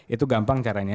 itu gampang caranya